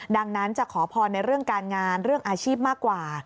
ดังนั้นจะขอพรในเรื่องการงานเรื่องอาชีพมากกว่า